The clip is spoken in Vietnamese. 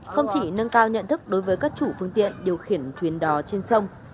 không chỉ nâng cao nhận thức đối với các chủ phương tiện điều khiển thuyền đò trên sông